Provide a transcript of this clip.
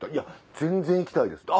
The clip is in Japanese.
「全然行きたいです」。